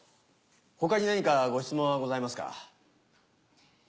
他に何かご質問はございますか？